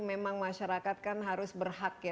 memang masyarakat kan harus berhak ya